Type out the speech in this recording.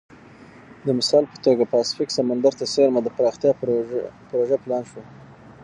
د مثال په توګه پاسفیک سمندر ته څېرمه د پراختیا پروژه پلان شوه.